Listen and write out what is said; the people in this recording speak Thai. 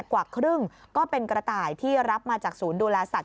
กว่าครึ่งก็เป็นกระต่ายที่รับมาจากศูนย์ดูแลสัตว